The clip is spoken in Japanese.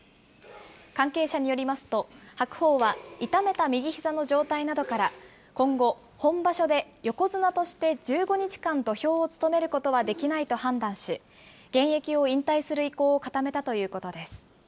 関係者によりますと、白鵬は、痛めた右ひざの状態などから今後、本場所で横綱として１５日間、土俵を務めることはできないと判断し、現役を引退する意向を固めたということです。